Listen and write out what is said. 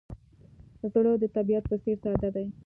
زړه د طبیعت په څېر ساده دی.